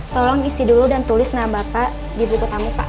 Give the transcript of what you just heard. tolong isi dulu dan tulis nama bapak di buku tamu pak